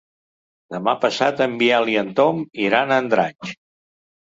Demà passat en Biel i en Tom iran a Andratx.